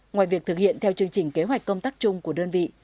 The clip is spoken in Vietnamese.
ngoài việc thực hiện theo chương trình kế hoạch công tác chung của đơn vị